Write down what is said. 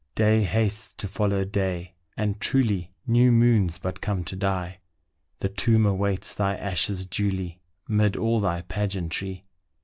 Day hastes to follow day, and truly New moons but come to die, The tomb awaits thy ashes duly Mid all thy pageantry.